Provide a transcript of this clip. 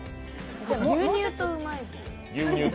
牛乳とうまい棒？